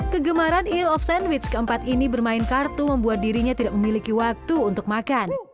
kegemaran eal of sandwich keempat ini bermain kartu membuat dirinya tidak memiliki waktu untuk makan